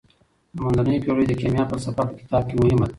د منځنیو پیړیو د کیمیا فلسفه په کتاب کې مهمه ده.